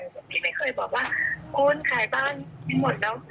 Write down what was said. แกไม่เคยบอกว่าคุณขายบ้านทั้งหมดแล้ว